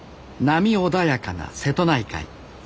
波穏やかな瀬戸内海。